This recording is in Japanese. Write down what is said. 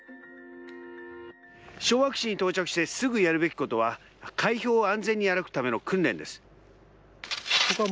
昭和基地に到着してすぐやるべきことは海氷を安全に歩くための訓練です。